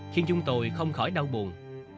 khiến chúng tôi không khỏi đau buồn